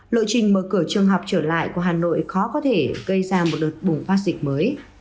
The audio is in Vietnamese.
lộ trình mở cửa trường học trở lại của hà nội khó có thể gây ra một đợt bùng phát dịch mới